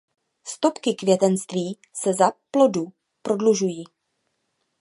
Stopky květenství se za plodu prodlužují.